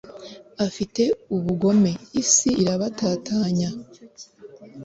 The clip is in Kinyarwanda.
afite ubugome, isi irabatatanya